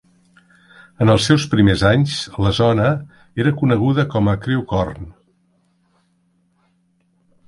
En els seus primers anys, la zona era coneguda com a Crewcorne.